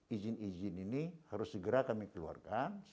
izin izin ini harus segera kami keluarkan